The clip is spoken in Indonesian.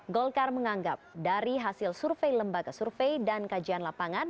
golkar menganggap dari hasil survei lembaga survei dan kajian lapangan